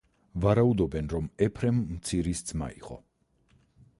ვარაუდობენ, რომ ეფრემ მცირის ძმა იყო.